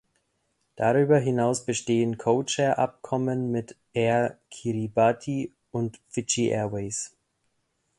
Darüber hinaus bestehen Codeshare-Abkommen mit Air Kiribati und Fiji Airways.